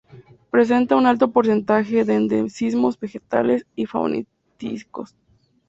Presenta un alto porcentaje de endemismos vegetales y faunísticos.